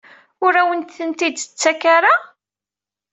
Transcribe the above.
Ur awen-tent-id-tettak ara?